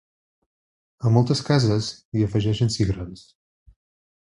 A moltes cases, hi afegeixen cigrons.